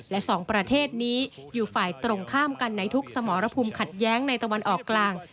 และสองประเทศนี้อยู่ฝ่ายตรงข้ามกันในทุกสมรภูมิขัดแย้งในตะวันออกกลาง